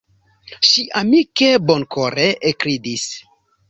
Ŝi amike, bonkore ekridis.